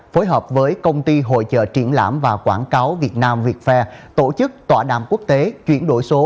phối hợp với công ty hội trợ triển lãm và quảng cáo việt nam việt phe tổ chức tòa đàm quốc tế chuyển đổi số